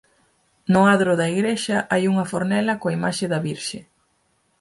No adro da igrexa hai unha fornela coa imaxe da Virxe.